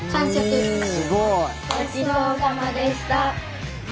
ごちそうさまでした！